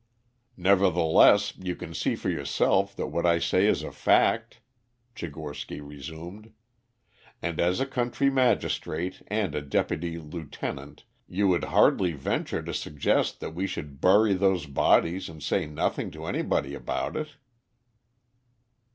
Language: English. "Nevertheless, you can see for yourself that what I say is a fact," Tchigorsky resumed. "And as a county magistrate and a deputy lieutenant you would hardly venture to suggest that we should bury those bodies and say nothing to anybody about it?"